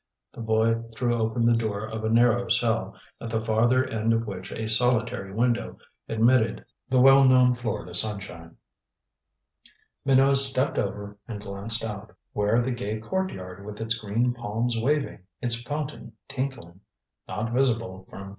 The boy threw open the door of a narrow cell, at the farther end of which a solitary window admitted the well known Florida sunshine. Minot stepped over and glanced out. Where the gay courtyard with its green palms waving, its fountain tinkling? Not visible from 389.